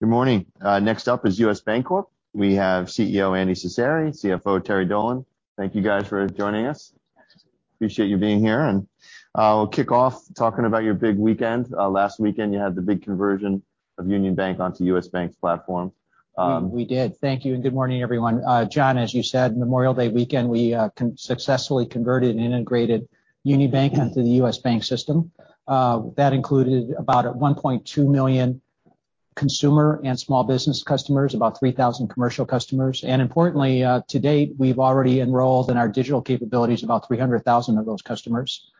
Good morning. Next up is U.S. Bancorp. We have CEO, Andy Cecere, CFO, Terry Dolan. Thank you, guys, for joining us. Appreciate you being here, and we'll kick off talking about your big weekend. Last weekend, you had the big conversion of Union Bank onto U.S. Bank's platform. We did. Thank you, and good morning, everyone. John, as you said, Memorial Day weekend, we successfully converted and integrated Union Bank into the U.S. Bank system. That included about $1.2 million consumer and small business customers, about 3,000 commercial customers. And importantly, to date, we've already enrolled in our digital capabilities about 300,000 of those customers.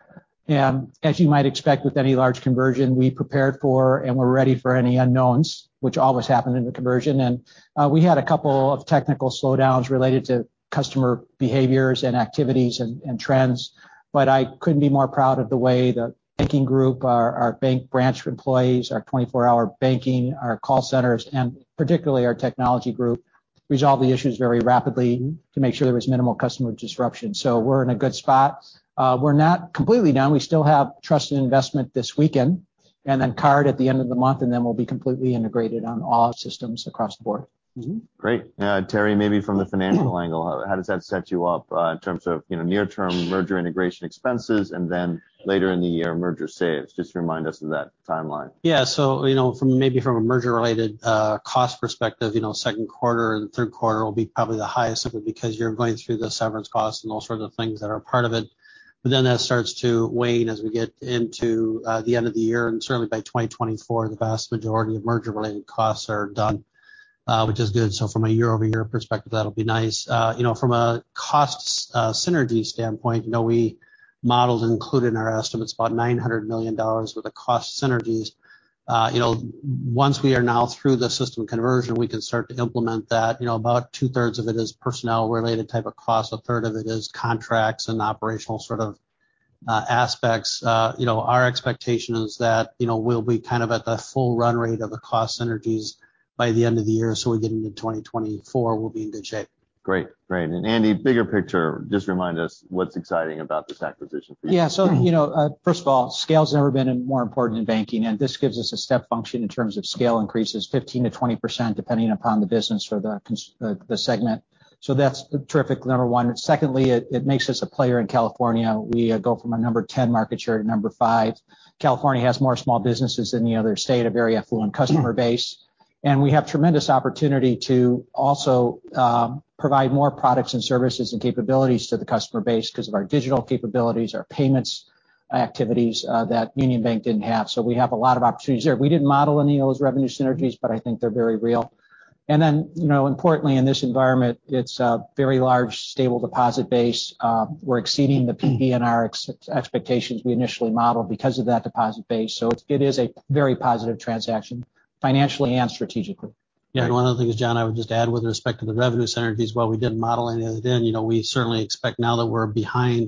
As you might expect, with any large conversion, we prepared for and were ready for any unknowns, which always happen in a conversion. And we had a couple of technical slowdowns related to customer behaviors and activities and trends, but I couldn't be more proud of the way the banking group, our bank branch employees, our 24-hour banking, our call centers, and particularly our technology group, resolved the issues very rapidly to make sure there was minimal customer disruption. So, we're in a good spot. We're not completely done. We still have trust and investment this weekend, and then card at the end of the month, and then we'll be completely integrated on all systems across the board. Mm-hmm. Great. Terry, maybe from the financial angle, how does that set you up, in terms of, you know, near-term merger integration expenses and then later in the year, merger saves? Just remind us of that timeline. Yeah. So, you know, from maybe from a merger-related cost perspective, you know, Q2 and Q3 will be probably the highest, simply because you're going through the severance costs and all sorts of things that are a part of it. And then that starts to wane as we get into the end of the year, and certainly by 2024, the vast majority of merger-related costs are done, which is good. From a year-over-year perspective, that'll be nice. You know, from a cost synergy standpoint, you know, we modeled and included in our estimates about $900 million worth of cost synergies. You know, once we are now through the system conversion, we can start to implement that. You know, about two-thirds of it is personnel-related type of costs. A third of it is contracts and operational sort of, aspects. You know, our expectation is that, you know, we'll be kind of at the full run rate of the cost synergies by the end of the year, so when we get into 2024, we'll be in good shape. Great. Great. And Andy, bigger picture, just remind us what's exciting about this acquisition for you? You know, first of all, scale's never been more important in banking, and this gives us a step function in terms of scale increases, 15%-20%, depending upon the business or the segment. That's terrific, number one. And secondly, it makes us a player in California. We go from a number 10 market share to number five. California has more small businesses than any other state, a very affluent customer base. And we have tremendous opportunity to also provide more products and services and capabilities to the customer base because of our digital capabilities, our payments activities, that Union Bank didn't have. So we have a lot of opportunities there. We didn't model any of those revenue synergies, I think they're very real. And then, you know, importantly, in this environment, it's a very large, stable deposit base. We're exceeding the PB and our expectations we initially modeled because of that deposit base. It, it is a very positive transaction, financially and strategically. Yeah. One of the things, John, I would just add with respect to the revenue synergies, while we didn't model any of it then, you know, we certainly expect now that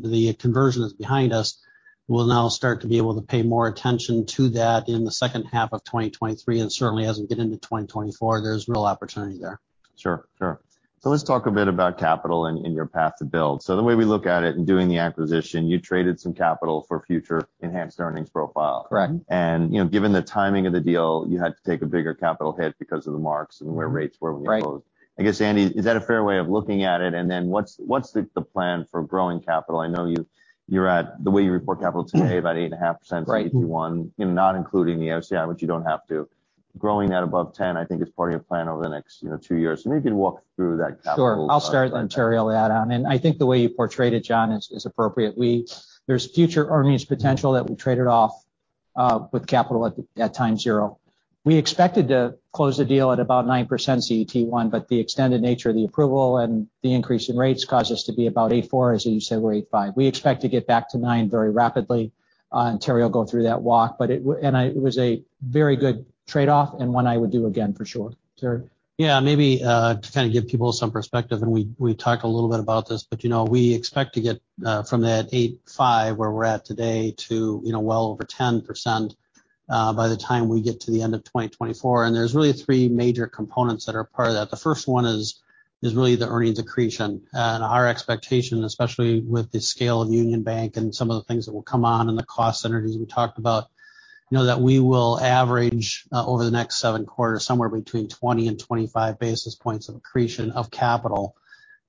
the conversion is behind us, we'll now start to be able to pay more attention to that in the second half of 2023, and certainly as we get into 2024, there's real opportunity there. Sure. Sure. Let's talk a bit about capital and your path to build. The way we look at it, in doing the acquisition, you traded some capital for future enhanced earnings profile. Correct. And, you know, given the timing of the deal, you had to take a bigger capital hit because of the marks and where rates were when you closed. Right. I guess, Andy, is that a fair way of looking at it? And then what's the plan for growing capital? I know you're at, the way you report capital today, about 8.5%? Right. In Q1, you know, not including the OCI, which you don't have to. Growing at above 10, I think, is part of your plan over the next, you know, two years. Maybe you could walk through that capital? Sure. I'll let Terry add on. I think the way you portrayed it, John, is appropriate. We, there's future earnings potential that we traded off with capital at time zero. We expected to close the deal at about 9% CET1, but the extended nature of the approval and the increase in rates caused us to be about 8.4%, as you said, we're 8.5%. We expect to get back to 9% very rapidly. Terry will go through that walk, but it was a very good trade-off, and one I would do again, for sure. Terry? Yeah, maybe to kind of give people some perspective, and we talked a little bit about this, but, you know, we expect to get from that 8.5%, where we're at today, to, you know, well over 10% by the time we get to the end of 2024. And there's really three major components that are part of that. The first one is really the earnings accretion. Our expectation, especially with the scale of Union Bank and some of the things that will come on and the cost synergies we talked about, you know, that we will average over the next seven quarters, somewhere between 20 and 25 basis points of accretion of capital.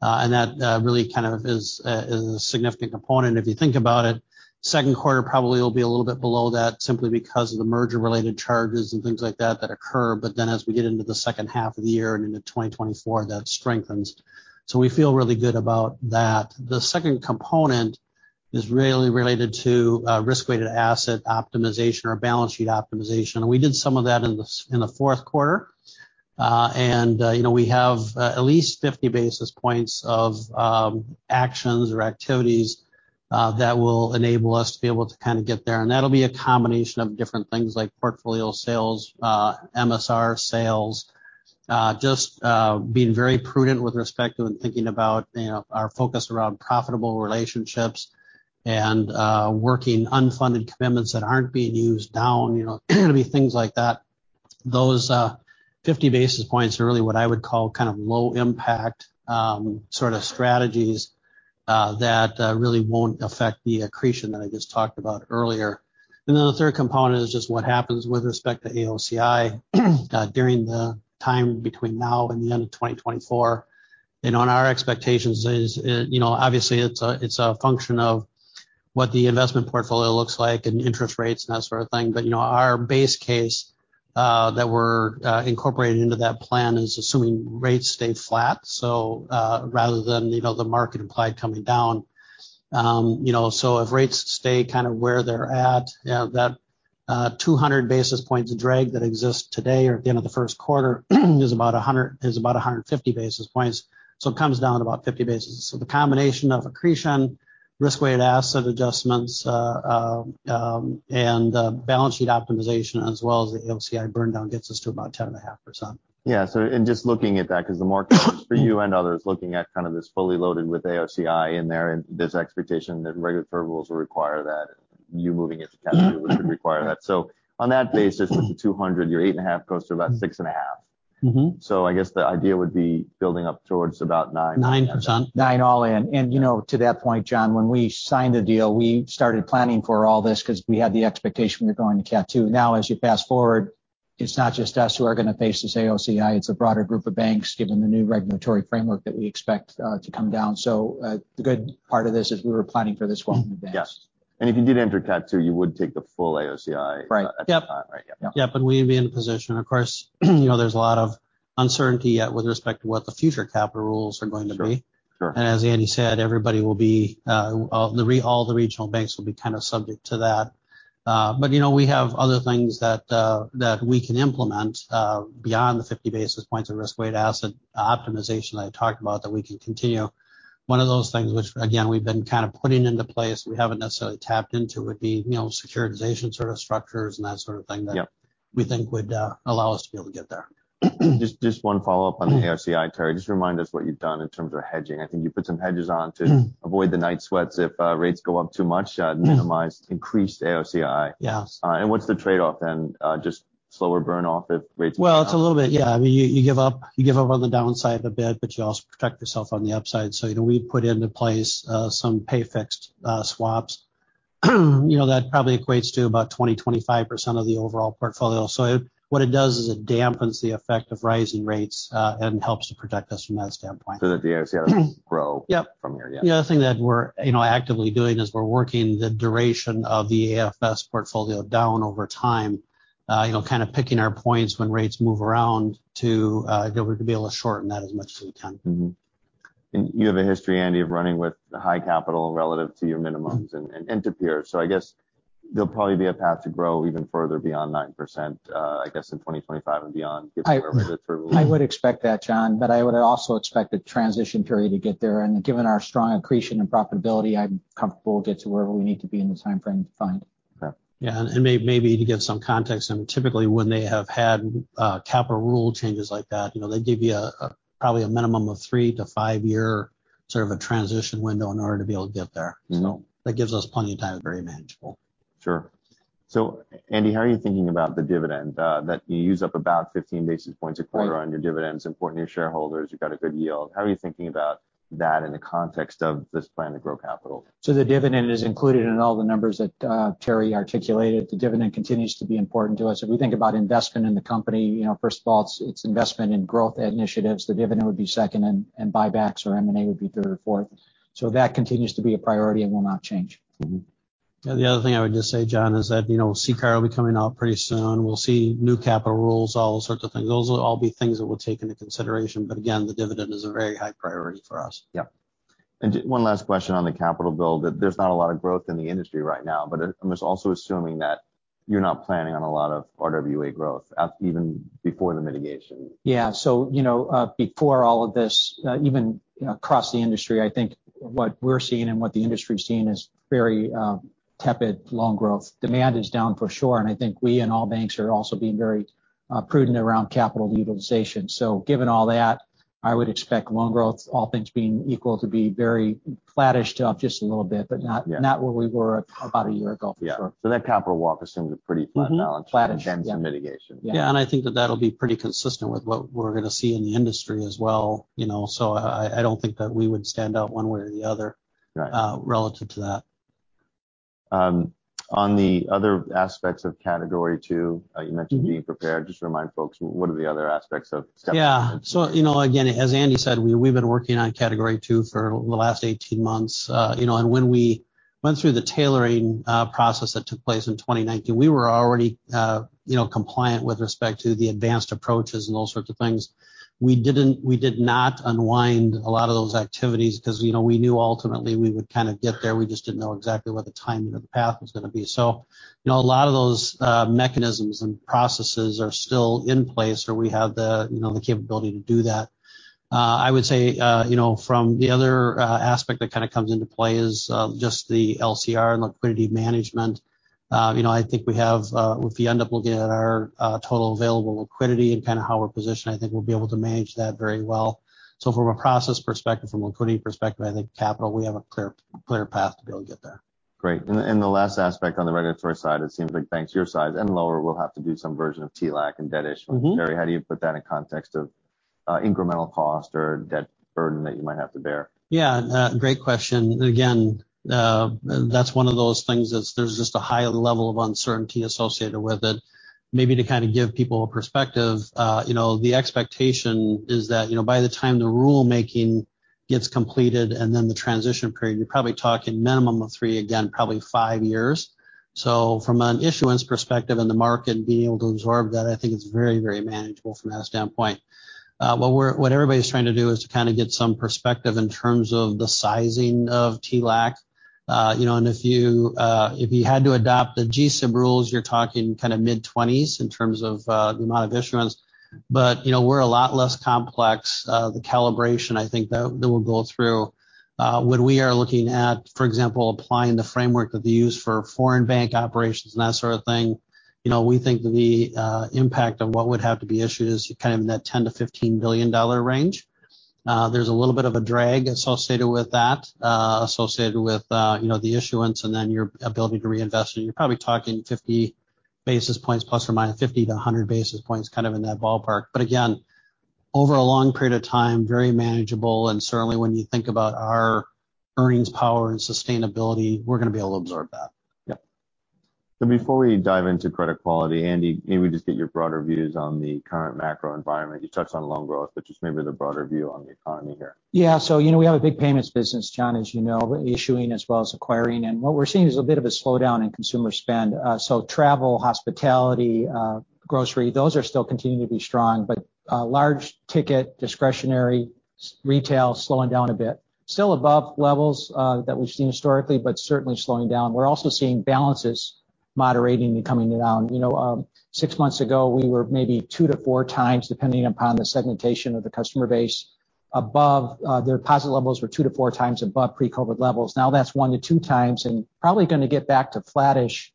And that really kind of is a, is a significant component. If you think about it, Q2 probably will be a little bit below that, simply because of the merger-related charges and things like that that occur. But then as we get into the second half of the year and into 2024, that strengthens. So we feel really good about that. The second component is really related to risk-weighted asset optimization or balance sheet optimization, and we did some of that in the Q4. And, you know, we have at least 50 basis points of actions or activities that will enable us to be able to kind of get there. That'll be a combination of different things like portfolio sales, MSR sales, just being very prudent with respect to and thinking about, you know, our focus around profitable relationships and working unfunded commitments that aren't being used down, you know, things like that. Those 50 basis points are really what I would call kind of low impact sort of strategies that really won't affect the accretion that I just talked about earlier. And the third component is just what happens with respect to AOCI during the time between now and the end of 2024. And on our expectations is, you know, obviously it's a, it's a function of what the investment portfolio looks like and interest rates and that sort of thing. But, you know, our base case, that we're incorporating into that plan is assuming rates stay flat. So, rather than, you know, the market implied coming down. You know, if rates stay kind of where they're at, that 200 basis points of drag that exists today or at the end of the Q1 is about 150 basis points. It comes down to about 50 basis. The combination of accretion, risk-weighted asset adjustments, and balance sheet optimization, as well as the AOCI burn down, gets us to about 10.5%. Yeah. Ans so, just looking at that, because the market for you and others, looking at kind of this fully loaded with AOCI in there, and this expectation that regulatory rules will require that, you moving into category, which would require that. On that basis, with the 200, your 8.5 goes to about 6.5. Mm-hmm. I guess the idea would be building up towards about. 9%. Nine all in. You know, to that point, John, when we signed the deal, we started planning for all this because we had the expectation we were going to Category II. Now, as you fast forward, it's not just us who are going to face this AOCI, it's a broader group of banks, given the new regulatory framework that we expect to come down. So, the good part of this is we were planning for this well in advance. Yes. If you did enter Category II, you would take the full AOCI- Right. Yep. At the time, right? Yep, we'd be in position. Of course, you know, there's a lot of uncertainty yet with respect to what the future capital rules are going to be. Sure, sure. As Andy said, everybody will be all the regional banks will be kind of subject to that. But, you know, we have other things that we can implement beyond the 50 basis points of risk-weighted asset optimization that I talked about, that we can continue. One of those things, which, again, we've been kind of putting into place, we haven't necessarily tapped into, would be, you know, securitization sort of structures and that sort of thing. Yep That we think would allow us to be able to get there. Just, just one follow-up on the AOCI, Terry. Just remind us what you've done in terms of hedging. I think you put some hedges on. Mm-hmm Avoid the night sweats if rates go up too much. Yes Minimize increased AOCI. Yes. What's the trade-off then? Just slower burn off if rates. It's a little bit, yeah. I mean, you give up, you give up on the downside a bit, but you also protect yourself on the upside. So, you know, we've put into place some pay fixed swaps. You know, that probably equates to about 20%-25% of the overall portfolio. So what it does is it dampens the effect of rising rates and helps to protect us from that standpoint. That the AOCI grow- Yep. from here, yeah. The other thing that we're, you know, actively doing is we're working the duration of the AFS portfolio down over time. You know, kind of picking our points when rates move around to, you know, we can be able to shorten that as much as we can. You have a history, Andy, of running with high capital relative to your minimums and to peers. SoI guess there'll probably be a path to grow even further beyond 9%, I guess, in 2025 and beyond, given wherever the rules. I would expect that, John, but I would also expect a transition period to get there. Given our strong accretion and profitability, I'm comfortable we'll get to wherever we need to be in the timeframe defined. Okay. Yeah, maybe to give some context, Typically, when they have had capital rule changes like that, you know, they give you a, probably a minimum of 3-5-year sort of a transition window in order to be able to get there. Mm-hmm. That gives us plenty of time. Very manageable. Sure. So, Andy, how are you thinking about the dividend, that you use up about 15 basis points a quarter? Right On your dividends, important to your shareholders, you've got a good yield. How are you thinking about that in the context of this plan to grow capital? So, the dividend is included in all the numbers that, Terry articulated. The dividend continues to be important to us. If we think about investment in the company, you know, first of all, it's investment in growth initiatives. The dividend would be second, and buybacks or M&A would be third or fourth. So, that continues to be a priority and will not change. Mm-hmm. The other thing I would just say, John, is that, you know, CCAR will be coming out pretty soon. We'll see new capital rules, all sorts of things. Those will all be things that we'll take into consideration, but again, the dividend is a very high priority for us. Yep. One last question on the capital build. There's not a lot of growth in the industry right now, but, I'm just also assuming that you're not planning on a lot of RWA growth even before the mitigation. Yeah. So, you know, before all of this, even, you know, across the industry, I think what we're seeing and what the industry's seeing is very tepid loan growth. Demand is down for sure. I think we and all banks are also being very prudent around capital utilization. So, given all that, I would expect loan growth, all things being equal, to be very flattish to up just a little bit. Yeah Not where we were about a year ago, for sure. Yeah. That capital walk assumes a pretty flat balance- Flattish. Some mitigation. Yeah. Yeah, I think that that'll be pretty consistent with what we're going to see in the industry as well, you know, so I don't think that we would stand out one way or the other. Right Relative to that. On the other aspects of Category II. Mm-hmm Being prepared, just remind folks, what are the other aspects of Category II? Yeah. So, you know, again, as Andy said, we've been working on Category II for the last 18 months. You know, when we went through the tailoring process that took place in 2019, we were already, you know, compliant with respect to the advanced approaches and all sorts of things. We didn't, we did not unwind a lot of those activities because, you know, we knew ultimately we would kind of get there. We just didn't know exactly what the timing of the path was going to be. You know, a lot of those mechanisms and processes are still in place, or we have the, you know, the capability to do that. I would say, you know, from the other aspect that kind of comes into play is just the LCR and liquidity management. You know, I think we have, if you end up looking at our, total available liquidity and kind of how we're positioned, I think we'll be able to manage that very well. So from a process perspective, from a liquidity perspective, I think capital, we have a clear path to be able to get there. Great. And he last aspect on the regulatory side, it seems like banks your size and lower will have to do some version of TLAC and debt issuance. Mm-hmm. Terry, how do you put that in context of incremental cost or debt burden that you might have to bear? Yeah, great question. Again, that's one of those things that's, there's just a high level of uncertainty associated with it. maybe to kind of give people a perspective, you know, the expectation is that, you know, by the time the rulemaking gets completed and then the transition period, you're probably talking minimum of three, again, probably five years. So, from an issuance perspective and the market being able to absorb that, I think it's very, very manageable from that standpoint. What everybody's trying to do is to kind of get some perspective in terms of the sizing of TLAC. You know, if you had to adopt the GSIB rules, you're talking kind of mid-twenties in terms of the amount of issuance. You know, we're a lot less complex. The calibration, I think, that will go through. What we are looking at, for example, applying the framework that we use for foreign bank operations and that sort of thing, you know, we think the impact of what would have to be issued is kind of in that $10 billion-$15 billion range. There's a little bit of a drag associated with that, associated with, you know, the issuance and then your ability to reinvest it. You're probably talking 50 basis points ±50-100 basis points, kind of in that ballpark. But again, over a long period of time, very manageable, and certainly when you think about our earnings power and sustainability, we're going to be able to absorb that. Yeah. Before we dive into credit quality, Andy, maybe just get your broader views on the current macro environment? You touched on loan growth, but just maybe the broader view on the economy here? Yeah. So, you know, we have a big payments business, John, as you know, issuing as well as acquiring. What we're seeing is a bit of a slowdown in consumer spend. So, travel, hospitality, grocery, those are still continuing to be strong. But, large ticket, discretionary, retail, slowing down a bit. Still above levels that we've seen historically, but certainly slowing down. We're also seeing balances moderating and coming down. You know, six months ago, we were maybe 2-4x, depending upon the segmentation of the customer base, above. The deposit levels were two to four times above pre-COVID levels. Now, that's one to two times, and probably going to get back to flattish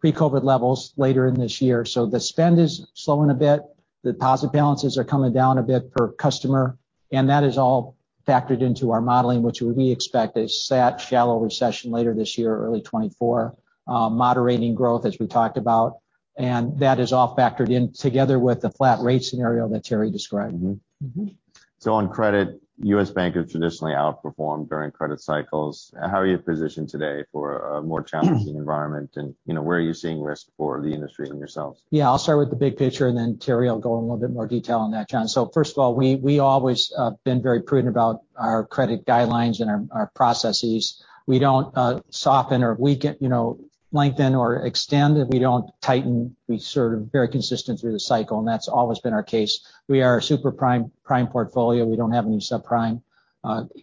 pre-COVID levels later in this year. The spend is slowing a bit. Deposit balances are coming down a bit per customer, and that is all factored into our modeling, which we expect a set shallow recession later this year or early 2024. Moderating growth, as we talked about, and that is all factored in together with the flat rate scenario that Terry described. Mm-hmm. Mm-hmm. So on credit, U.S. Bank has traditionally outperformed during credit cycles. How are you positioned today for a more challenging environment? Mm-hmm. You know, where are you seeing risk for the industry and yourselves? Yeah. I'll start with the big picture, and then, Terry will go in a little bit more detail on that, John. First of all, we always been very prudent about our credit guidelines and our processes. We don't soften or weaken, you know, lengthen or extend. We don't tighten. We sort of very consistent through the cycle. That's always been our case. We are a super prime portfolio. We don't have any subprime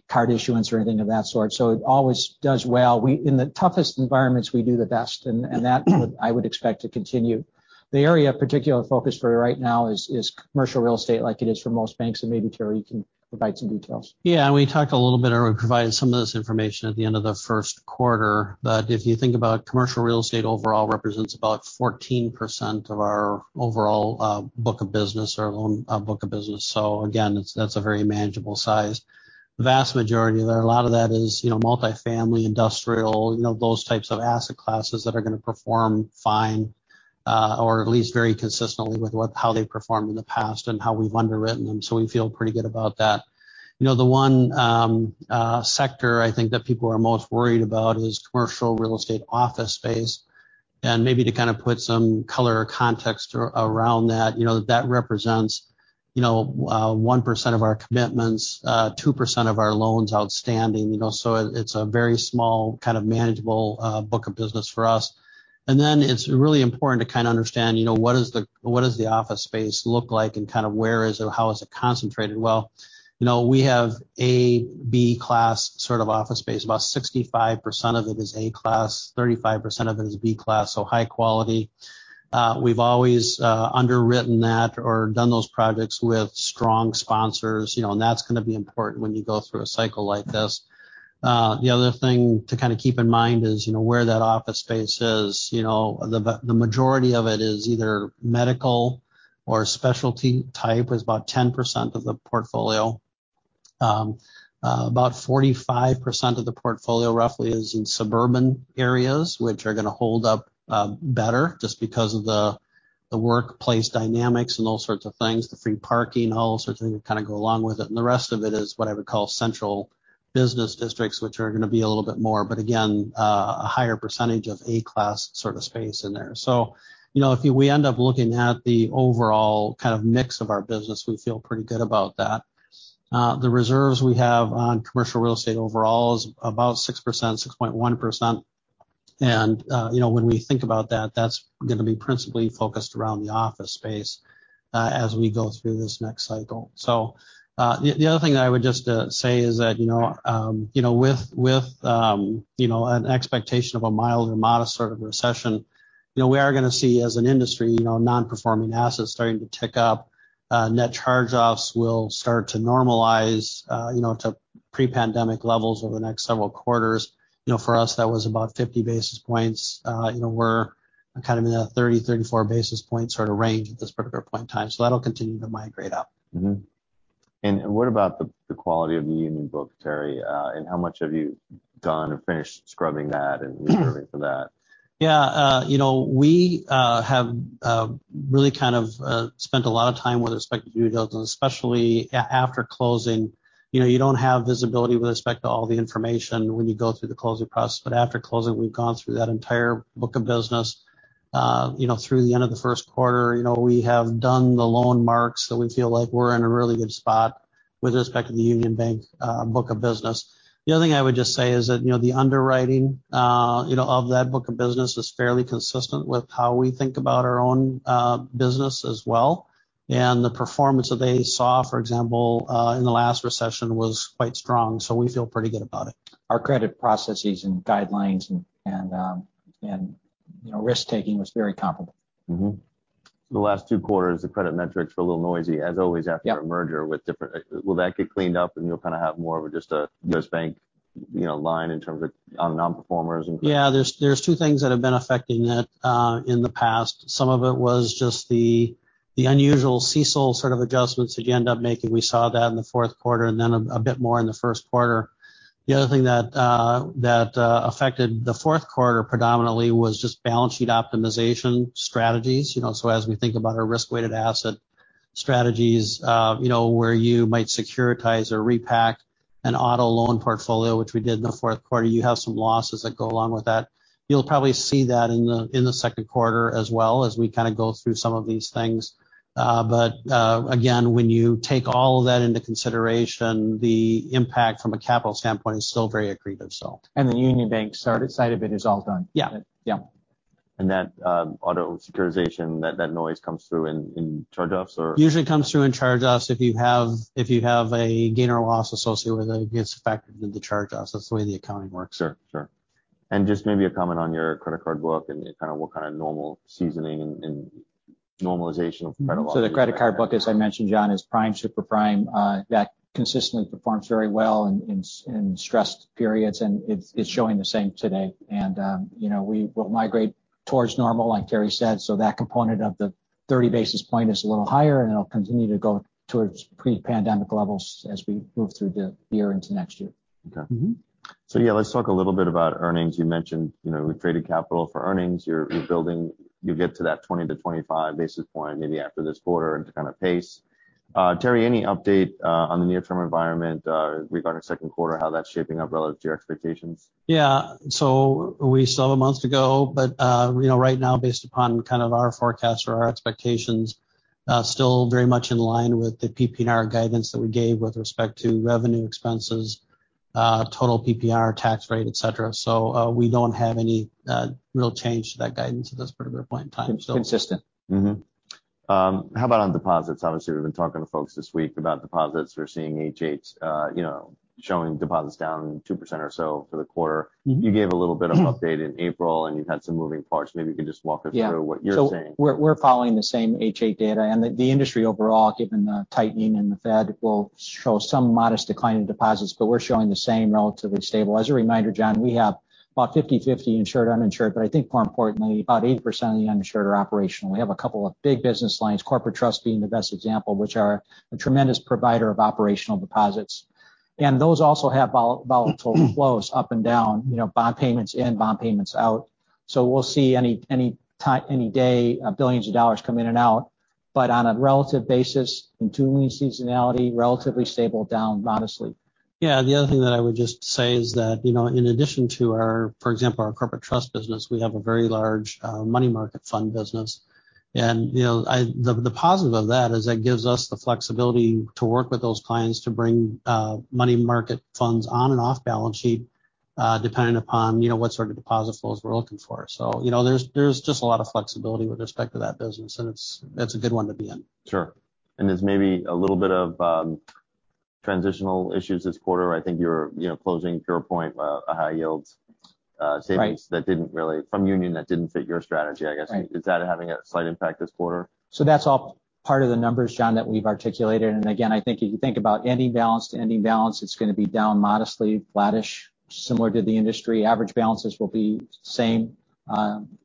card issuance or anything of that sort. So, it always does well. In the toughest environments, we do the best, and that I would expect to continue. The area of particular focus for right now is commercial real estate, like it is for most banks. Maybe, Terry, you can provide some details. Yeah. We talked a little bit earlier, we provided some of this information at the end of the Q1 If you think about commercial real estate overall represents about 14% of our overall book of business or loan book of business. So again, that's a very manageable size. The vast majority of that, a lot of that is, you know, multifamily, industrial, you know, those types of asset classes that are going to perform fine or at least very consistently with how they've performed in the past and how we've underwritten them. We feel pretty good about that. You know, the one sector I think that people are most worried about is commercial real estate office space. And maybe to kind of put some color or context around that, you know, that represents, you know, 1% of our commitments, 2% of our loans outstanding. You know, it's a very small, kind of manageable, book of business for us. And then it's really important to kind of understand, you know, what does the office space look like and kind of where is it, how is it concentrated? Well, you know, we have A, B class sort of office space. About 65% of it is A class, 35% of it is B class, so high quality. We've always underwritten that or done those projects with strong sponsors, you know, that's going to be important when you go through a cycle like this. The other thing to kind of keep in mind is, you know, where that office space is. You know, the majority of it is either medical or specialty type, is about 10% of the portfolio. About 45% of the portfolio, roughly, is in suburban areas, which are going to hold up better just because of the workplace dynamics and all sorts of things, the free parking, all sorts of things that kind of go along with it. The rest of it is what I would call central business districts, which are going to be a little bit more, but again, a higher percentage of A class sort of space in there. So, if we end up looking at the overall kind of mix of our business, we feel pretty good about that. The reserves we have on commercial real estate overall is about 6%, 6.1%. And, you know, when we think about that's going to be principally focused around the office space as we go through this next cycle. So, the other thing I would just say is that, you know, with, you know, an expectation of a mild or modest sort of recession, you know, we are going to see as an industry, you know, non-performing assets starting to tick up. Net charge-offs will start to normalize, you know, to pre-pandemic levels over the next several quarters. You know, for us, that was about 50 basis points. You know, we're kind of in a 30-34 basis point sort of range at this particular point in time. That'll continue to migrate up. Mm-hmm. And what about the quality of the Union book, Terry? How much have you done or finished scrubbing that reserving for that? Yeah. You know, we have really kind of spent a lot of time with respect to due diligence, especially after closing. You know, you don't have visibility with respect to all the information when you go through the closing process, after closing, we've gone through that entire book of business. You know, through the end of the Q1, you know, we have done the loan marks, we feel like we're in a really good spot with respect to the Union Bank book of business. The other thing I would just say is that, you know, the underwriting, you know, of that book of business is fairly consistent with how we think about our own business as well. And the performance that they saw, for example, in the last recession, was quite strong, so we feel pretty good about it. Our credit processes and guidelines and, and you know, risk-taking was very comparable. Mm-hmm. The last two quarters, the credit metrics were a little noisy, as always. Yep A merger with different, will that get cleaned up, and you'll kind of have more of just a U.S. Bank, you know, line in terms of on nonperformers. Yeah. There's two things that have been affecting that in the past. Some of it was just the unusual CECL sort of adjustments that you end up making. We saw that in the Q4 and then a bit more in the Q1. The other thing that affected the Q4 predominantly was just balance sheet optimization strategies. You know, so as we think about our risk-weighted asset strategies, you know, where you might securitize or repack an auto loan portfolio, which we did in the Q4, you have some losses that go along with that. You'll probably see that in the Q2 as well, as we kind of go through some of these things. But again, when you take all of that into consideration, the impact from a capital standpoint is still very accretive. The Union Bank started, side of it is all done. Yeah. Yeah. And that auto securitization, that noise comes through in charge-offs, or? Usually comes through in charge-offs. If you have a gain or loss associated with it gets factored into the charge-offs. That's the way the accounting works. Sure, sure. Just maybe a comment on your credit card book and kind of what kind of normal seasoning and normalization of credit loss. So, the credit card book, as I mentioned, John, is prime, super prime. That consistently performs very well in stressed periods, and it's showing the same today. And, you know, we will migrate towards normal, like Terry said. That component of the 30 basis point is a little higher, and it'll continue to go towards pre-pandemic levels as we move through the year into next year. Okay. Mm-hmm. Yeah, so let's talk a little bit about earnings. You mentioned, you know, we traded capital for earnings. You'll get to that 20-25 basis point maybe after this quarter and to kind of pace. Terry, any update on the near-term environment regarding Q2, how that's shaping up relative to your expectations? Yeah. So, we still have months to go. You know, right now, based upon kind of our forecast or our expectations, still very much in line with the PPR guidance that we gave with respect to revenue expenses, total PPR tax rate, et cetera. So we don't have any real change to that guidance at this particular point in time. Consistent. How about on deposits? Obviously, we've been talking to folks this week about deposits. We're seeing NIB, you know, showing deposits down 2% or so for the quarter. Mm-hmm. You gave a little bit of an update. Mm In April, you've had some moving parts. Maybe you could just walk us through- Yeah What you're seeing. We're, we're following the same NIB data. The industry overall, given the tightening in the Fed, will show some modest decline in deposits, but we're showing the same, relatively stable. As a reminder, John, we have about 50/50 insured, uninsured, but I think more importantly, about 80% of the uninsured are operational. We have a couple of big business lines, corporate trust being the best example, which are a tremendous provider of operational deposits. And those also have volatile flows up and down, you know, bond payments in, bond payments out. So we'll see any time, any day, $ billions come in and out. But on a relative basis, in tuning seasonality, relatively stable, down modestly. Yeah. The other thing that I would just say is that, you know, in addition to our, for example, our corporate trust business, we have a very large money market fund business. And, you know, the positive of that is it gives us the flexibility to work with those clients to bring money market funds on and off balance sheet, depending upon, you know, what sort of deposit flows we're looking for. So, you know, there's just a lot of flexibility with respect to that business, and it's a good one to be in. Sure. There's maybe a little bit of, transitional issues this quarter. I think you're, you know, closing PurePoint, a high yield, savings-. Right From Union, that didn't fit your strategy, I guess. Right. Is that having a slight impact this quarter? So that's all part of the numbers, John, that we've articulated. Again, I think if you think about ending balance to ending balance, it's going to be down modestly, flattish, similar to the industry. Average balances will be the same.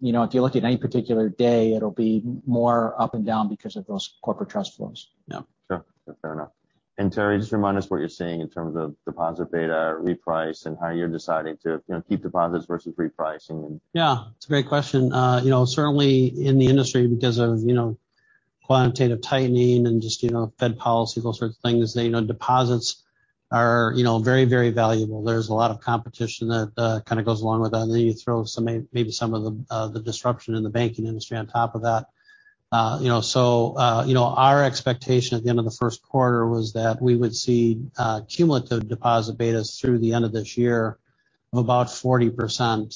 you know, if you look at any particular day, it'll be more up and down because of those corporate trust flows. Yeah. Sure. Fair enough. And Terry, just remind us what you're seeing in terms of deposit beta reprice and how you're deciding to, you know, keep deposits versus repricing. Yeah, it's a great question. You know, certainly in the industry, because of, you know, quantitative tightening and just, you know, Fed policy, those sorts of things, you know, deposits are, you know, very, very valuable. There's a lot of competition that kind of goes along with that. You throw some maybe some of the disruption in the banking industry on top of that. You know, so our expectation at the end of the Q1 was that we would see cumulative deposit betas through the end of this year of about 40%.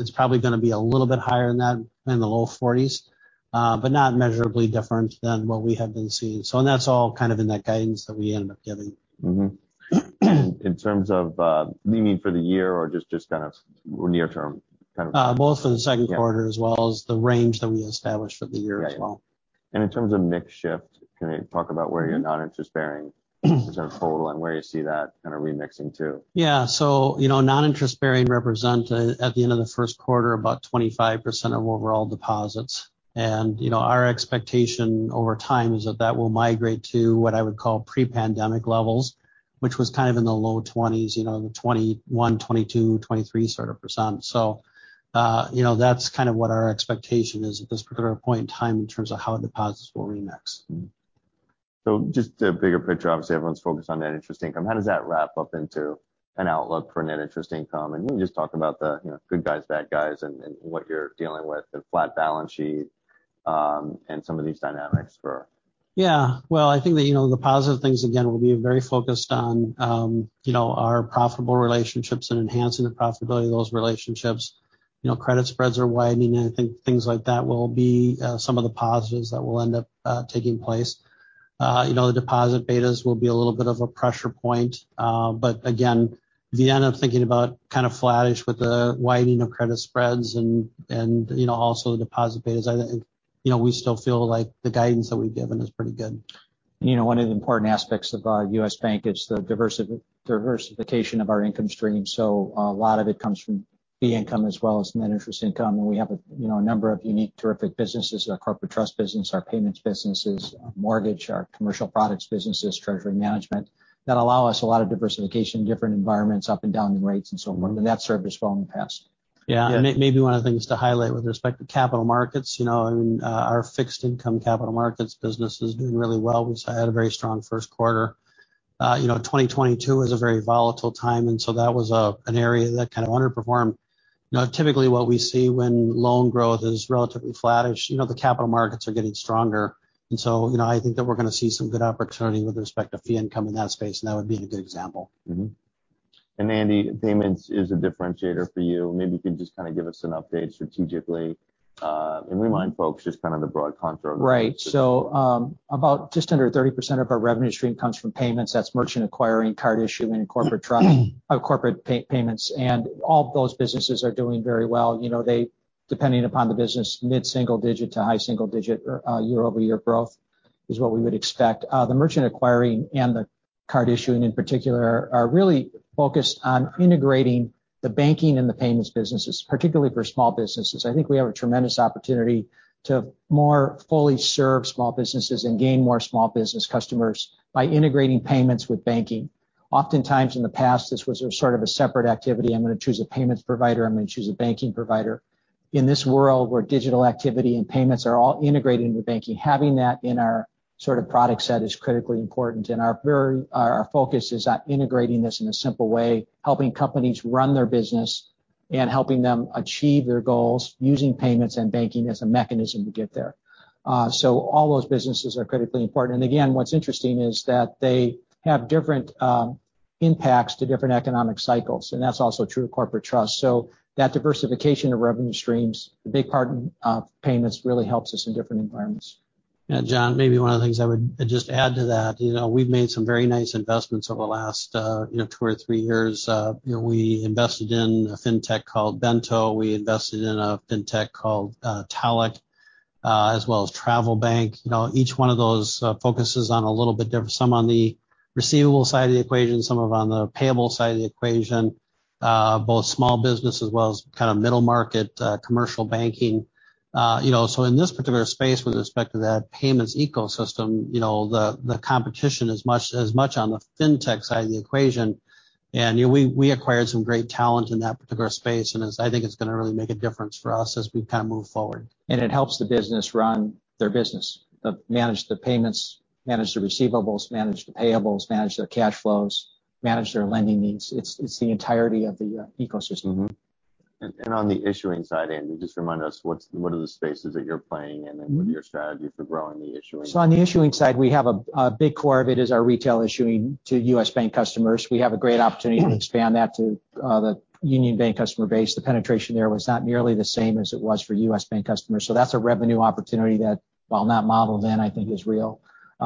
It's probably going to be a little bit higher than that in the low forties, but not measurably different than what we have been seeing. So that's all kind of in that guidance that we ended up giving. In terms of leading for the year or just kind of near term? Both for the Q2. Yeah As well as the range that we established for the year as well. Right. In terms of mix shift, can you talk about where your noninterest-bearing as a total and where you see that kind of remixing to? Yeah. So, you know, noninterest-bearing represent, at the end of the Q1, about 25% of overall deposits. And, you know, our expectation over time is that will migrate to what I would call pre-pandemic levels, which was kind of in the low 20s, you know, the 21%, 22%, 23% sort of percent. So, you know, that's kind of what our expectation is at this particular point in time in terms of how deposits will remix. Just a bigger picture, obviously, everyone's focused on net interest income. How does that wrap up into an outlook for net interest income? Can you just talk about the, you know, good guys, bad guys, and what you're dealing with, the flat balance sheet, and some of these dynamics? Yeah. Well, I think that, you know, the positive things, again, will be very focused on, you know, our profitable relationships and enhancing the profitability of those relationships. You know, credit spreads are widening, and I think things like that will be some of the positives that will end up taking place. You know, the deposit betas will be a little bit of a pressure point. But again, at the end, I'm thinking about kind of flattish with the widening of credit spreads and, you know, also the deposit betas. I think, you know, we still feel like the guidance that we've given is pretty good. You know, one of the important aspects of U.S. Bank is the diversification of our income stream. A lot of it comes from fee income as well as net interest income. We have a, you know, a number of unique, terrific businesses, our corporate trust business, our payments businesses, our mortgage, our commercial products businesses, treasury management, that allow us a lot of diversification in different environments, up and down in rates and so on. That's served us well in the past. Yeah. Yeah. Maybe one of the things to highlight with respect to capital markets, you know, I mean, our fixed income capital markets business is doing really well. We've had a very strong Q1. You know, 2022 was a very volatile time, and so that was an area that kind of underperformed. You know, typically, what we see when loan growth is relatively flattish, you know, the capital markets are getting stronger. And so, you know, I think that we're going to see some good opportunity with respect to fee income in that space, and that would be a good example. Mm-hmm. And Andy, payments is a differentiator for you. Maybe you could just kind of give us an update strategically, and remind folks just kind of the broad contour. Right. So, about just under 30% of our revenue stream comes from payments. That's merchant acquiring, card issuing, and corporate trust, corporate payments. And all those businesses are doing very well. You know, they, depending upon the business, mid-single digit to high single digit year-over-year growth is what we would expect. The merchant acquiring and the card issuing, in particular, are really focused on integrating the banking and the payments businesses, particularly for small businesses. I think we have a tremendous opportunity to more fully serve small businesses and gain more small business customers by integrating payments with banking. Oftentimes, in the past, this was a sort of a separate activity. I'm going to choose a payments provider. I'm going to choose a banking provider. In this world, where digital activity and payments are all integrated into banking, having that in our sort of product set is critically important, and our focus is on integrating this in a simple way, helping companies run their business, and helping them achieve their goals, using payments and banking as a mechanism to get there. So, all those businesses are critically important. And again, what's interesting is that they have different impacts to different economic cycles, and that's also true of corporate trust. So, that diversification of revenue streams, the big part of payments, really helps us in different environments. Yeah, John, maybe one of the things I would just add to that, you know, we've made some very nice investments over the last two or three years. You know, we invested in a fintech called Bento. We invested in a fintech called talech, as well as TravelBank. You know, each one of those focuses on a little bit different, some on the receivable side of the equation, some of them on the payable side of the equation, both small business as well as kind of middle market commercial banking. You know, in this particular space, with respect to that payments ecosystem, you know, the competition is as much on the fintech side of the equation. You know, we acquired some great talent in that particular space, and I think it's going to really make a difference for us as we kind of move forward. And it helps the business run their business, manage the payments, manage the receivables, manage the payables, manage their cash flows, manage their lending needs. It's the entirety of the ecosystem. On the issuing side, Andy, just remind us, what are the spaces that you're playing in? Mm-hmm. What are your strategies for growing the issuing? On the issuing side, we have a big core of it is our retail issuing to U.S. Bank customers. We have a great opportunity to expand that to the Union Bank customer base. The penetration there was not nearly the same as it was for U.S. Bank customers. That's a revenue opportunity that, while not modeled in, I think is real.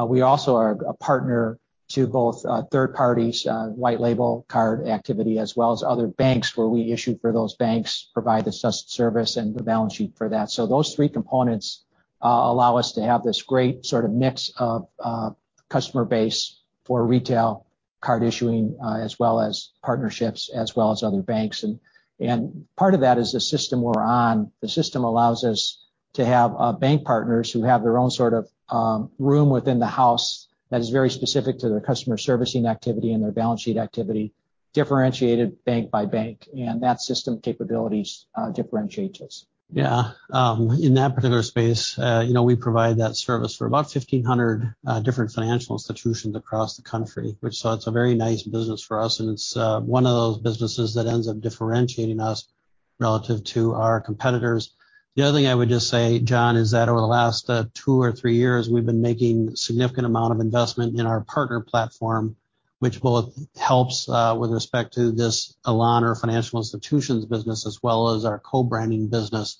We also are a partner to both third parties, white label card activity, as well as other banks, where we issue for those banks, provide the service and the balance sheet for that. So those three components allow us to have this great sort of mix of customer base for retail card issuing, as well as partnerships, as well as other banks. And part of that is the system we're on. The system allows us to have bank partners who have their own sort of room within the house that is very specific to their customer servicing activity and their balance sheet activity, differentiated bank by bank. And that system capability differentiates us. Yeah. In that particular space, you know, we provide that service for about 1,500 different financial institutions across the country, which so it's a very nice business for us, and it's one of those businesses that ends up differentiating us relative to our competitors. The other thing I would just say, John, is that over the last two or three years, we've been making significant amount of investment in our partner platform, which both helps with respect to this Elan or financial institutions business, as well as our co-branding business.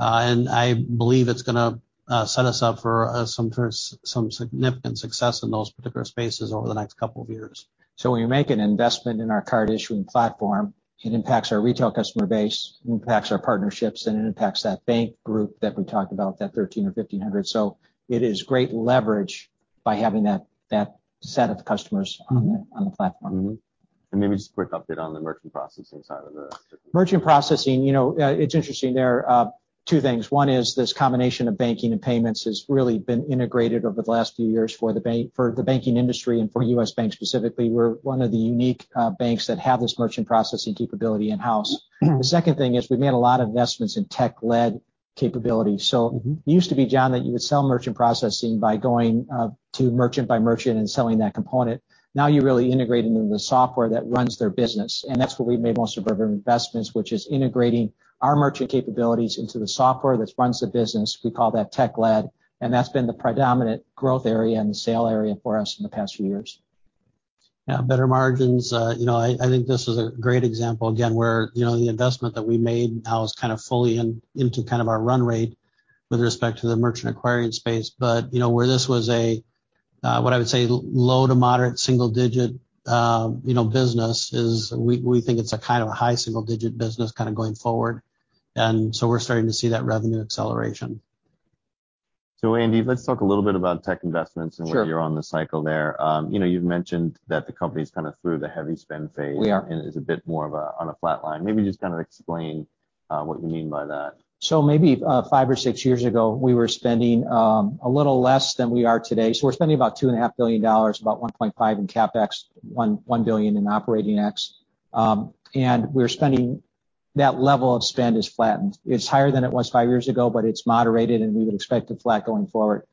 I believe it's going to set us up for some sort of, some significant success in those particular spaces over the next couple of years. So when you make an investment in our card issuing platform, it impacts our retail customer base, it impacts our partnerships, and it impacts that bank group that we talked about, that 1,300 or 1,500. So, it is great leverage by having that set of customers. Mm-hmm. On the platform. Maybe just a quick update on the merchant processing side of. Merchant processing, you know, it's interesting. There are two things. One is this combination of banking and payments has really been integrated over the last few years for the bank, for the banking industry and for U.S. Bank specifically. We're one of the unique banks that have this merchant processing capability in-house. The second thing is we've made a lot of investments in tech-led capability. Mm-hmm. So, it used to be, John, that you would sell merchant processing by going to merchant by merchant and selling that component. Now you're really integrating into the software that runs their business, and that's where we've made most of our investments, which is integrating our merchant capabilities into the software that runs the business. We call that tech-led, and that's been the predominant growth area and the sale area for us in the past few years. Yeah, better margins. You know, I think this is a great example, again, where, you know, the investment that we made now is kind of fully in, into kind of our run rate with respect to the merchant acquiring space. But, you know, where this was a, what I would say, low to moderate single-digit, you know, business is we think it's a kind of a high single-digit business kind of going forward. And so, we're starting to see that revenue acceleration. Andy, let's talk a little bit about tech investments. Sure. Where you're on the cycle there. You know, you've mentioned that the company's kind of through the heavy spend phase. We are. Is a bit more of a, on a flat line. Maybe just kind of explain, what you mean by that? So maybe, five or six years ago, we were spending a little less than we are today. We're spending about $2.5 billion, about $1.5 billion in CapEx, $1 billion in OpEx. And we're spending that level of spend is flattened. It's higher than it was five years ago, but it's moderated, and we would expect it flat going forward.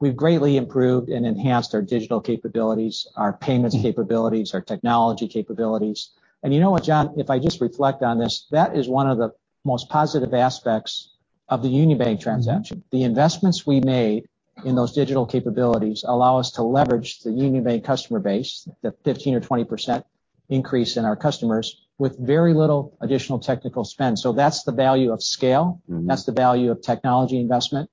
We've greatly improved and enhanced our digital capabilities, our payments capabilities. Mm-hmm. Our technology capabilities. You know what, John, if I just reflect on this, that is one of the most positive aspects of the Union Bank transaction. Mm-hmm. The investments we made in those digital capabilities allow us to leverage the Union Bank customer base, the 15% or 20% increase in our customers, with very little additional technical spend. That's the value of scale. Mm-hmm. That's the value of technology investment,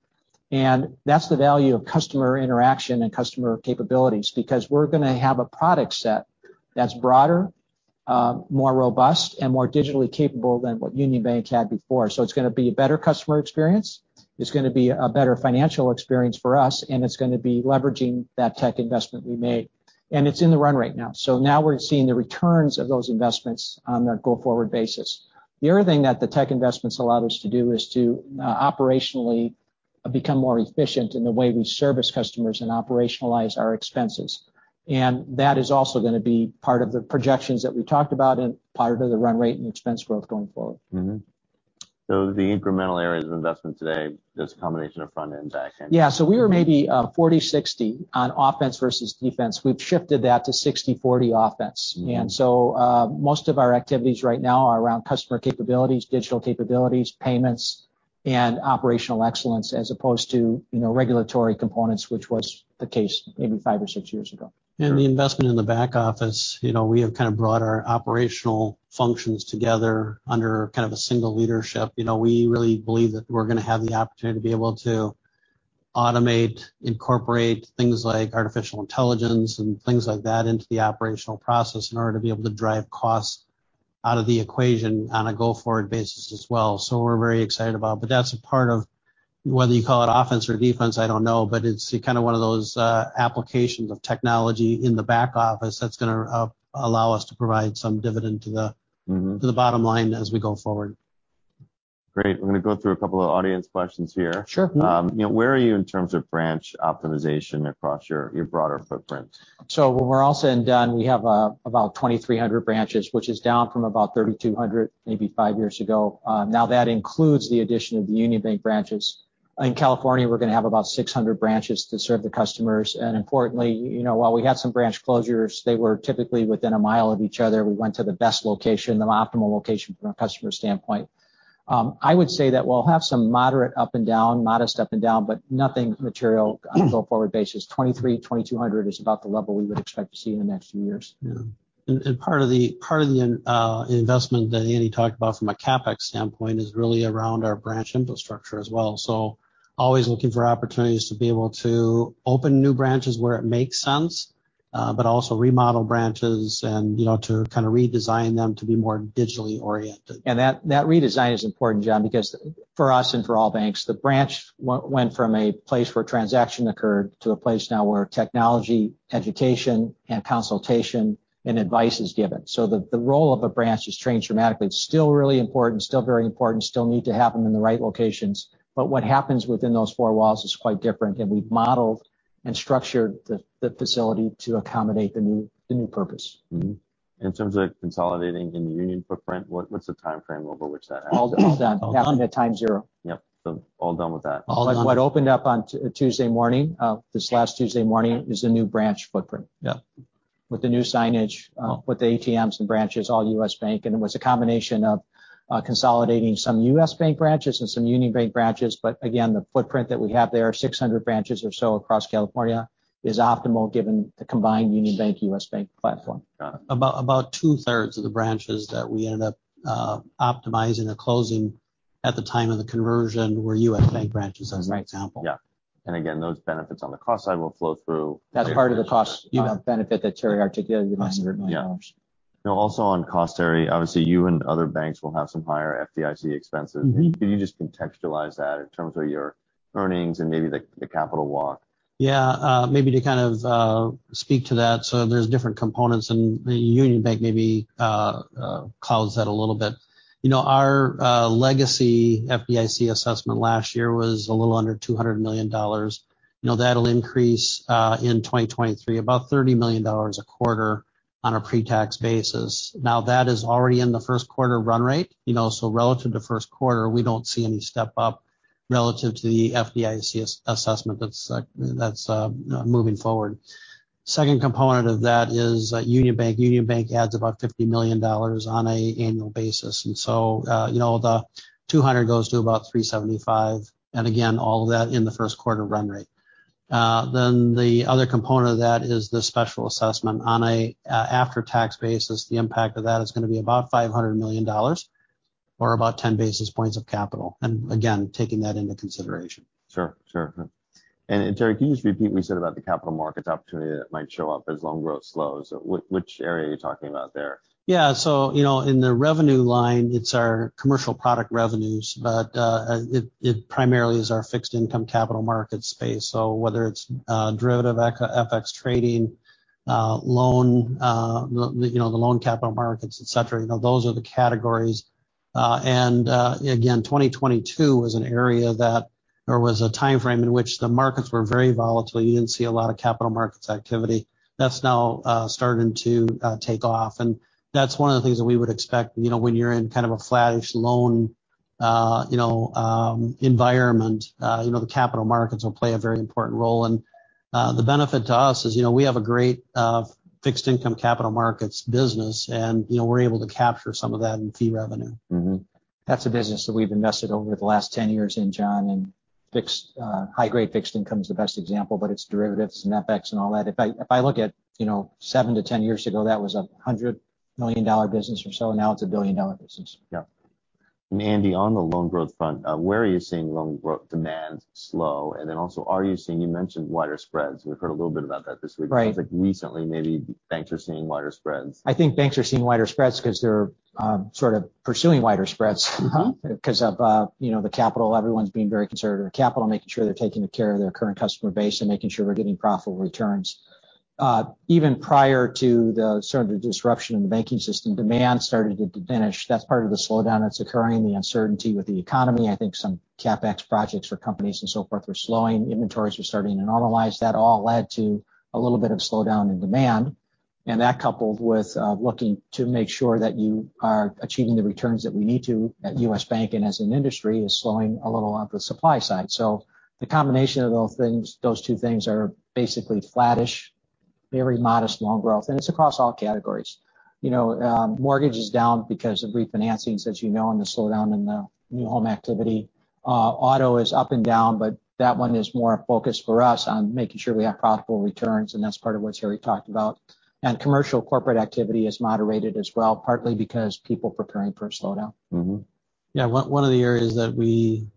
and that's the value of customer interaction and customer capabilities. Because we're going to have a product set that's broader, more robust, and more digitally capable than what Union Bank had before. So, it's going to be a better customer experience. It's going to be a better financial experience for us, and it's going to be leveraging that tech investment we made. It's in the run rate now. So now, we're seeing the returns of those investments on a go-forward basis. The other thing that the tech investments allow us to do is to operationally become more efficient in the way we service customers and operationalize our expenses. And That is also going to be part of the projections that we talked about and part of the run rate and expense growth going forward. Mm-hmm. The incremental areas of investment today, there's a combination of front end, back end? Yeah. We were maybe, 40/60 on offense versus defense. We've shifted that to 60/40 offense. Mm-hmm. And so, most of our activities right now are around customer capabilities, digital capabilities, payments, and operational excellence, as opposed to, you know, regulatory components, which was the case maybe five or six years ago. And the investment in the back office, you know, we have kind of brought our operational functions together under kind of a single leadership. You know, we really believe that we're going to have the opportunity to be able to automate, incorporate things like artificial intelligence and things like that into the operational process in order to be able to drive costs out of the equation on a go-forward basis as well. So, w're very excited about it. That's a part of whether you call it offense or defense, I don't know, but it's kind of one of those applications of technology in the back office that's going to allow us to provide some dividend to the. Mm-hmm To the bottom line as we go forward. Great. I'm going to go through a couple of audience questions here. Sure. Mm-hmm. You know, where are you in terms of branch optimization across your broader footprint? So, when we're all said and done, we have about 2,300 branches, which is down from about 3,200, maybe five years ago. Now, that includes the addition of the Union Bank branches. In California, we're going to have about 600 branches to serve the customers. Importantly, you know, while we had some branch closures, they were typically within a mile of each other. We went to the best location, the optimal location from a customer standpoint. I would say that we'll have some moderate up and down, modest up and down, but nothing material. On a go-forward basis, 2,300-2,200 is about the level we would expect to see in the next few years. Yeah. And part of the, part of the investment that Andy talked about from a CapEx standpoint is really around our branch infrastructure as well. Always looking for opportunities to be able to open new branches where it makes sense, but also remodel branches and, you know, to kind of redesign them to be more digitally oriented. And that redesign is important, John, because for us and for all banks, the branch went from a place where transaction occurred to a place now where technology, education, and consultation, and advice is given. So, the role of a branch has changed dramatically. It's still really important, still very important, still need to have them in the right locations, but what happens within those four walls is quite different, and we've modeled and structured the facility to accommodate the new purpose. In terms of consolidating in the Union footprint, what's the timeframe over which that happens? All done. Down to time zero. Yep. All done with that? All done. What opened up on Tuesday morning, this last Tuesday morning, is the new branch footprint. Yeah. With the new signage, with the ATMs and branches, all U.S. Bank. It was a combination of consolidating some U.S. Bank branches and some Union Bank branches. But again, the footprint that we have there, 600 branches or so across California, is optimal given the combined Union Bank-U.S. Bank platform. Got it. About two-thirds of the branches that we ended up optimizing or closing at the time of the conversion were U.S. Bank branches, as an example. Right. Yeah. again, those benefits on the cost side will flow through. That's part of the cost, benefit that Terry articulated, $100 million. Yeah. Now, also on cost, Terry, obviously, you and other banks will have some higher FDIC expenses. Mm-hmm. Can you just contextualize that in terms of your earnings and maybe the capital walk? Yeah, maybe to kind of speak to that, so there's different components, and the Union Bank maybe clouds that a little bit. You know, our legacy FDIC assessment last year was a little under $200 million. You know, that'll increase in 2023, about $30 million a quarter on a pre-tax basis. Now, that is already in the Q1 run rate, you know, so relative to Q1, we don't see any step up relative to the FDIC assessment that's moving forward. Second component of that is Union Bank. Union Bank adds about $50 million on a annual basis. You know, the $200 goes to about $375, and again, all of that in the Q1 run rate. Then, the other component of that is the special assessment. On a, after-tax basis, the impact of that is gonna be about $500 million or about 10 basis points of capital, and again, taking that into consideration. Sure, sure. And Terry, can you just repeat what you said about the capital markets opportunity that might show up as loan growth slows? Which, which area are you talking about there? Yeah. You know, in the revenue line, it's our commercial product revenues, but, it primarily is our fixed income capital markets space. So whether it's, derivative eco, FX trading, loan, you know, the loan capital markets, et cetera, you know, those are the categories. And again, 2022 was an area that there was a timeframe in which the markets were very volatile. You didn't see a lot of capital markets activity. That's now starting to take off, and that's one of the things that we would expect, you know, when you're in kind of a flattish loan, you know, environment. You know, the capital markets will play a very important role. And the benefit to us is, you know, we have a great, fixed income capital markets business, and, you know, we're able to capture some of that in fee revenue. Mm-hmm. That's a business that we've invested over the last 10 years in, John, and fixed, high-grade fixed income is the best example, but it's derivatives and FX and all that. I look at, you know, 7-10 years ago, that was a $100 million business or so, now it's a $1 billion business. Yeah. And Andy, on the loan growth front, where are you seeing loan growth demand slow? And also, you mentioned wider spreads. We've heard a little bit about that this week? Right. Like, recently, maybe banks are seeing wider spreads. I think banks are seeing wider spreads because they're sort of pursuing wider spreads. Uh-huh. Because of, you know, the capital. Everyone's being very conservative with capital, making sure they're taking care of their current customer base and making sure we're getting profitable returns. Even prior to the sort of the disruption in the banking system, demand started to diminish. That's part of the slowdown that's occurring, the uncertainty with the economy. I think some CapEx projects for companies and so forth are slowing. Inventories are starting to normalize. That all led to a little bit of slowdown in demand, and that, coupled with, looking to make sure that you are achieving the returns that we need to at U.S. Bank and as an industry, is slowing a little on the supply side. So, the combination of those things, those two things, are basically flattish, very modest loan growth, and it's across all categories. You know, mortgage is down because of refinancings, as you know, and the slowdown in the new home activity. Auto is up and down, but that one is more a focus for us on making sure we have profitable returns, and that's part of what Terry talked about. And commercial corporate activity is moderated as well, partly because people preparing for a slowdown. Mm-hmm. Yeah. One of the areas that we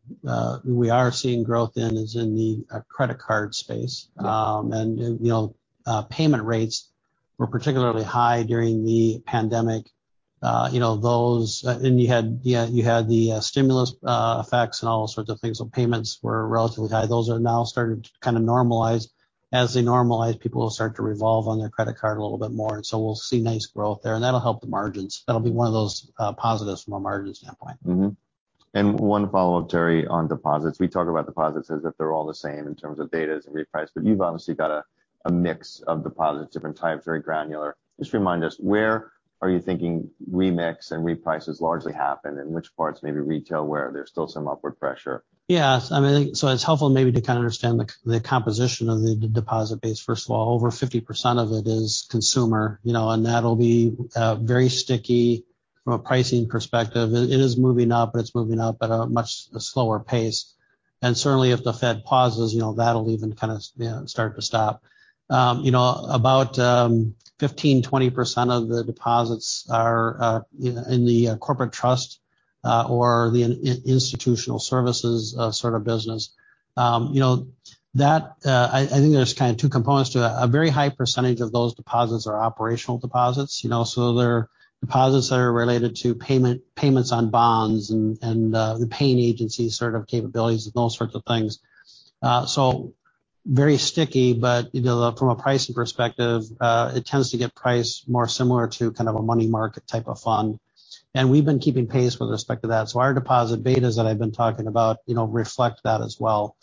are seeing growth in is in the, credit card space. Yeah. You know, payment rates were particularly high during the pandemic. You know, those -- and you had, you had the stimulus effects and all sorts of things, payments were relatively high. Those are now starting to kind of normalize. As they normalize, people will start to revolve on their credit card a little bit more. So we'll see nice growth there, and that'll help the margins. That'll be one of those positives from a margin standpoint. Mm-hmm. And one follow-up, Terry, on deposits. We talk about deposits as if they're all the same in terms of data as a reprice, but you've obviously got a mix of deposits, different types, very granular. Just remind us, where are you thinking remix and reprices largely happen, and which parts may be retail, where there's still some upward pressure? Yes. I mean, it's helpful maybe to kind of understand the composition of the deposit base. First of all, over 50% of it is consumer, you know, and that'll be very sticky from a pricing perspective. It is moving up, but it's moving up at a much slower pace. And certainly, if the Fed pauses, you know, that'll even kind of, you know, start to stop. You know, about 15%, 20% of the deposits are, you know, in the corporate trust or the institutional services sort of business. You know, that, I think there's kind of two components to that. A very high percentage of those deposits are operational deposits, you know, so they're deposits that are related to payment, payments on bonds and the paying agency sort of capabilities and those sorts of things. So very sticky, but, you know, from a pricing perspective, it tends to get priced more similar to kind of a money market type of fund. And we've been keeping pace with respect to that, so our deposit betas that I've been talking about, you know, reflect that as well.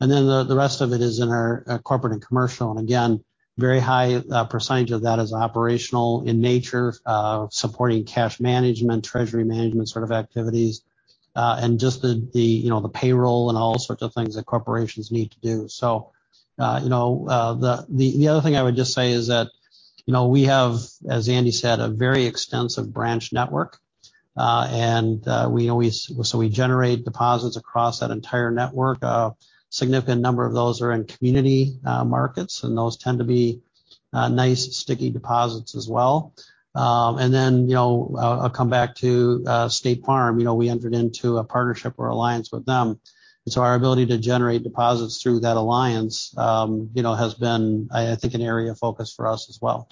And then the rest of it is in our corporate and commercial, and again, very high percentage of that is operational in nature, supporting cash management, treasury management sort of activities, and just the, you know, the payroll and all sorts of things that corporations need to do. So, you know, the other thing I would just say is that, you know, we have, as Andy said, a very extensive branch network, and we generate deposits across that entire network. A significant number of those are in community markets, and those tend to be nice, sticky deposits as well. And then, you know, I'll come back to State Farm. You know, we entered into a partnership or alliance with them, and so our ability to generate deposits through that alliance, you know, has been, I think, an area of focus for us as well.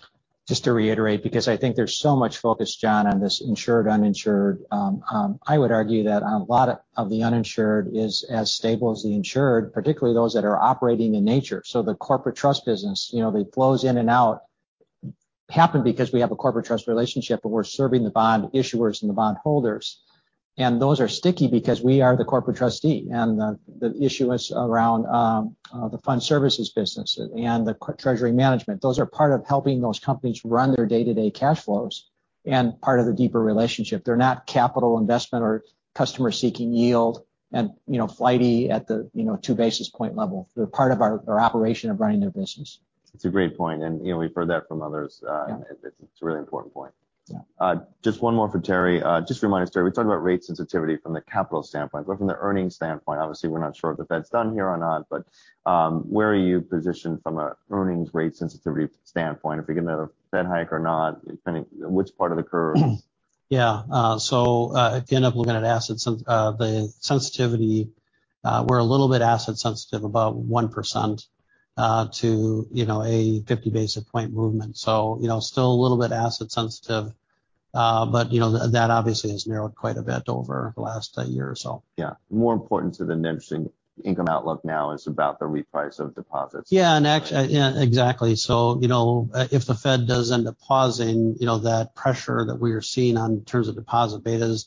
Just to reiterate, because I think there's so much focus, John, on this insured/uninsured. I would argue that a lot of the uninsured is as stable as the insured, particularly those that are operating in nature. So, the corporate trust business, you know, that flows in and out, happen because we have a corporate trust relationship, but we're serving the bond issuers and the bond holders. And those are sticky because we are the corporate trustee, and the issuance around the fund services business and the treasury management, those are part of helping those companies run their day-to-day cash flows and part of the deeper relationship. They're not capital investment or customer seeking yield, and, you know, flighty at the, you know, two basis point level. They're part of our operation of running their business. That's a great point, and, you know, we've heard that from others. Yeah. It's a really important point. Yeah. Just one more for Terry. Just remind us, Terry, we talked about rate sensitivity from the capital standpoint, but from the earnings standpoint, obviously, we're not sure if the Fed's done here or not, but, where are you positioned from an earnings rate sensitivity standpoint? If we get another Fed hike or not, depending which part of the curve? Yeah. If you end up looking at assets, the sensitivity, we're a little bit asset sensitive, about 1%, to, you know, a 50 basis point movement. So, you know, still a little bit asset sensitive, but, you know, that obviously has narrowed quite a bit over the last year or so. Yeah. More important to the net interest income outlook now is about the reprice of deposits. Yeah, and actually, yeah, exactly. So, you know, if the Fed does end up pausing, you know, that pressure that we are seeing on terms of deposit betas,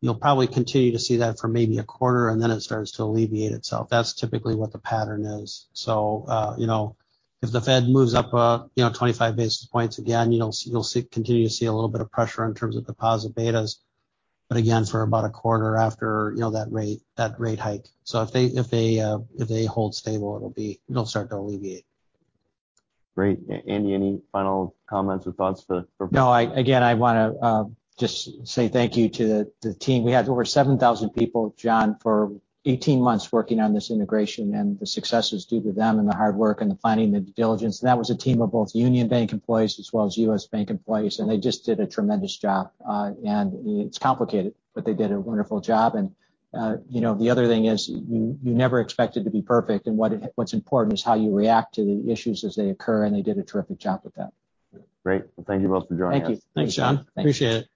you'll probably continue to see that for maybe a quarter, and then it starts to alleviate itself. That's typically what the pattern is. So, you know, if the Fed moves up, you know, 25 basis points again, you'll continue to see a little bit of pressure in terms of deposit betas, but again, for about a quarter after, you know, that rate hike. So, if they, if they, if they hold stable, it'll start to alleviate. Great. And Andy, any final comments or thoughts for... No, I, again, I want to just say thank you to the team. We had over 7,000 people, John, for 18 months working on this integration. And the success is due to them and the hard work and the planning, the due diligence. That was a team of both MUFG Union Bank employees as well as U.S. Bank employees, and they just did a tremendous job. It's complicated, but they did a wonderful job. You know, the other thing is, you never expect it to be perfect, and what's important is how you react to the issues as they occur, and they did a terrific job with that. Great. Well, thank you both for joining us. Thank you. Thanks, John. Appreciate it.